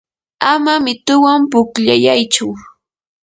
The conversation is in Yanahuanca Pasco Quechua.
ama mituwan pukllayaychu.